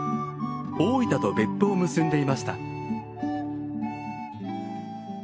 大分と別府を結んでいました。